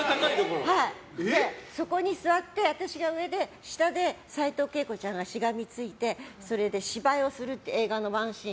そこに座って私が上で下でサイトウケイコちゃんがしがみついて芝居をするっていう映画のワンシーン。